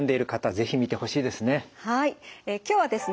え今日はですね